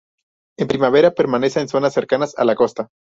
En primavera, permanece en zonas cercanas a la costa.